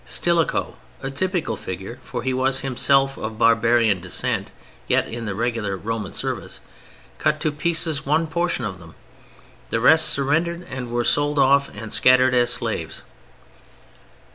Stilicho (a typical figure, for he was himself of barbarian descent, yet in the regular Roman service) cut to pieces one portion of them, the rest surrendered and were sold off and scattered as slaves.